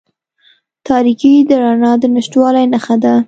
تاریکې د رڼا د نشتوالي نښه ده.